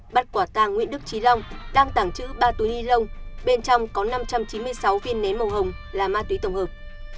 bắt quả tàng nguyễn đức trí long đang tàng trữ ba túi ni lông bên trong có năm trăm chín mươi sáu viên nén màu hồng là ma túy tổng hợp